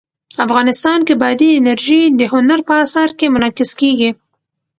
افغانستان کې بادي انرژي د هنر په اثار کې منعکس کېږي.